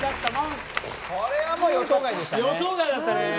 これは予想外でしたね。